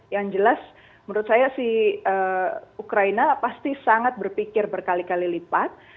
yang jelas menurut saya si ukraina pasti sangat berpikir berkali kali lipat